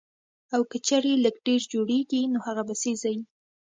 او کۀ چرې لږ ډېر جوړيږي نو هغه به سېزئ